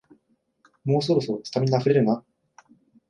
もうそろそろ、スタミナあふれるな